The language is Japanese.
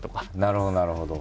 なるほどなるほど。